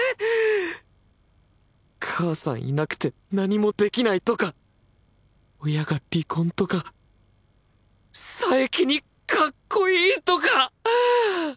母さんいなくて何もできないとか親が離婚とか佐伯に「かっこいい」とか！